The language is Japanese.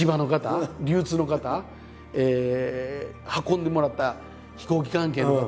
運んでもらった飛行機関係の方。